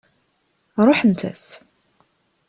Ṛuḥent-as.